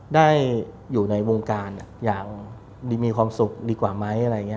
ได้อยู่ในวงการอย่างมีความสุขดีกว่าไหม